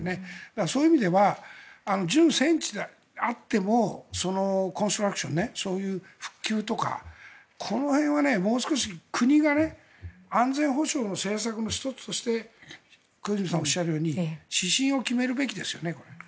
そういう意味では純戦地であってもそういう復旧とかこの辺は、もう少し国が安全保障の政策の１つとして小泉さんがおっしゃるように指針を決めるべきですね。